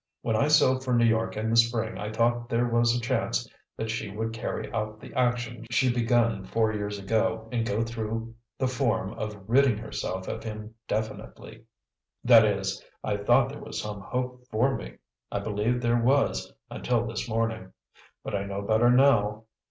When I sailed for New York in the spring I thought there was a chance that she would carry out the action she begun four years ago and go through the form of ridding herself of him definitely; that is, I thought there was some hope for me; I believed there was until this morning. But I know better now.